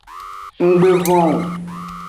Nggbe von o.